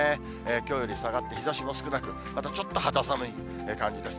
きょうより下がって、日ざしも少なく、またちょっと肌寒い感じです。